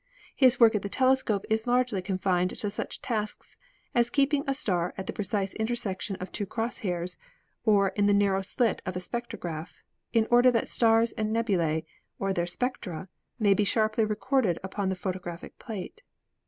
"His work at the telescope is largely confined to such tasks as keeping a star at the precise intersection of two cross hairs, or on the narrow slit of a spectrograph, in order that stars and nebulae, or their spectra, may be sharply recorded upon the photographic plate.